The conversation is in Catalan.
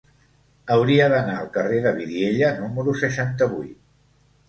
Hauria d'anar al carrer de Vidiella número seixanta-vuit.